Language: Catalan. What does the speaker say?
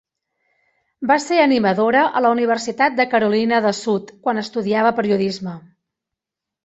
Va ser animadora a la Universitat de Carolina de Sud quan estudiava periodisme.